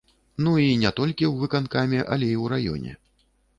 Ну, і не толькі ў выканкаме, але і ў раёне.